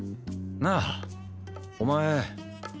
なあお前。